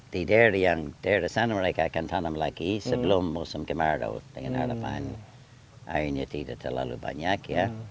di daerah yang daerah sana mereka akan tanam lagi sebelum musim kemarau dengan harapan airnya tidak terlalu banyak ya